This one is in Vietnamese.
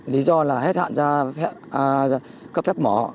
lý do là hết hạn ra cấp phép mỏ